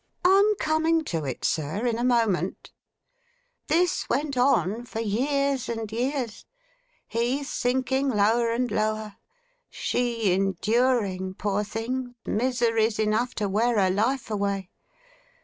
'I'm coming to it, sir, in a moment. This went on for years and years; he sinking lower and lower; she enduring, poor thing, miseries enough to wear her life away.